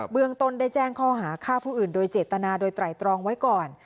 เมืองต้นได้แจ้งข้อหาฆ่าผู้อื่นโดยเจตนาโดยไตรตรองไว้ก่อน